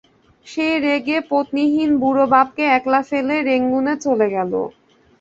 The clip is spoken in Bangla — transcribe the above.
সে রেগে পত্নীহীন বুড়ো বাপকে একলা ফেলে রেঙুনে চলে গেল।